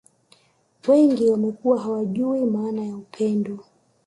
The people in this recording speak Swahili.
Wengi wamekuwa hawajui maana ya upendo